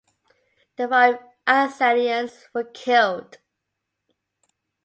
The five assailants were killed.